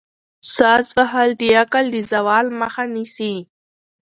ساز وهل د عقل د زوال مخه نیسي.